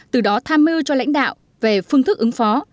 từ đó tham mưu cho lãnh đạo về phương thức ứng phó